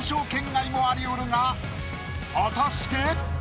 果たして？